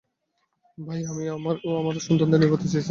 তাই আমি আমার ও আমার সন্তানদের নিরাপত্তা চেয়েছি।